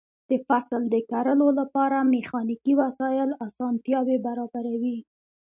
د فصل د کرلو لپاره میخانیکي وسایل اسانتیاوې برابروي.